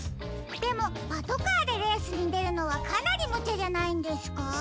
でもパトカーでレースにでるのはかなりむちゃじゃないんですか？